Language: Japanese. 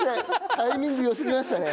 タイミング良すぎましたね。